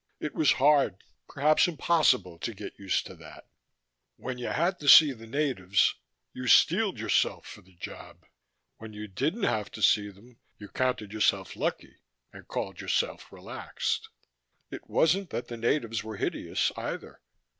It was hard, perhaps impossible, to get used to that: when you had to see the natives you steeled yourself for the job. When you didn't have to see them you counted yourself lucky and called yourself relaxed. It wasn't that the natives were hideous, either.